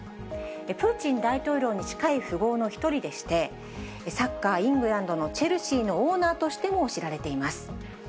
プーチン大統領に近い富豪の一人でして、サッカーイングランドのチェルシーのオーナーとしても知られています。